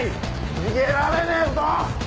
逃げられねえぞ！